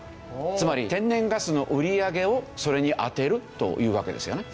つまり天然ガスの売り上げをそれに充てるというわけですよね。